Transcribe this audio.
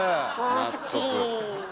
おすっきり。